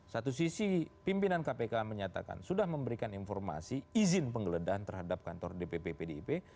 satu sisi pimpinan kpk menyatakan sudah memberikan informasi izin penggeledahan terhadap kantor dpp pdip